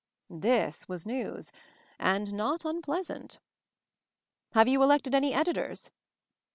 This was news, and not unpleasant. "Have you elected any Editors?"